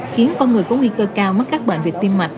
khiến con người có nguy cơ cao mắc các bệnh về tim mạch